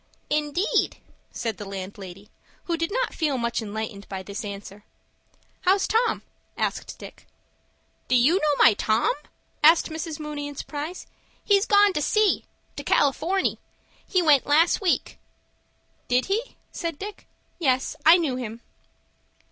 "Indeed!" said the landlady, who did not feel much enlightened by this answer. "How's Tom?" asked Dick. "Do you know my Tom?" said Mrs. Mooney in surprise. "He's gone to sea,—to Californy. He went last week." "Did he?" said Dick. "Yes, I knew him."